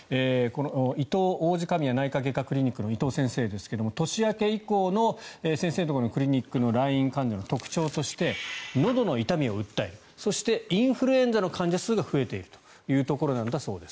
いとう王子神谷内科外科クリニックの伊藤先生ですが年明け以降の先生のところのクリニックの来院患者の特徴としてのどの痛みを訴えそしてインフルエンザの患者数が増えているということなんだそうです。